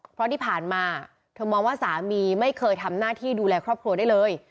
เพราะที่ผ่านมาเธอมองว่าสามีไม่เคยทำหน้าที่ดูแลครอบครัวได้เลย